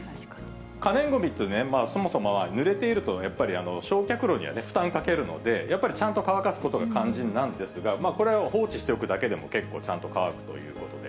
可燃ごみって、そもそもはぬれていると、やっぱり焼却炉には負担かけるので、やっぱりちゃんと乾かすことが肝心なんですが、これを放置しておくだけでも結構ちゃんと乾くということで。